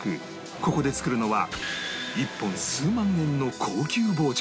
ここで作るのは１本数万円の高級包丁